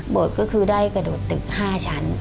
ก็คือได้กระโดดตึก๕ชั้น